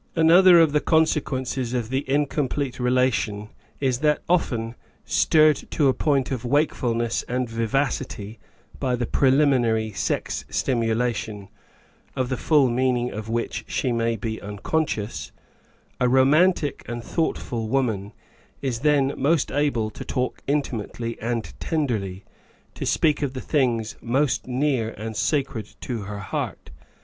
Another of the consequences of the incomplete re lation is that often, stirred to a point of wakefulness and vivacity by the preliminary sex stimulation (of the full meaning of which she may be unconscious), a romantic and thoughtfial woman is then most able to talk intimately and tenderly — to speak of the things most near and sacred to her heart.